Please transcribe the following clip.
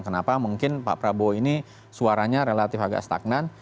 kenapa mungkin pak prabowo ini suaranya relatif agak stagnan